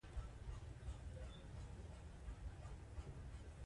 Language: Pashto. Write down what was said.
موږ د مبارزې خلک یو.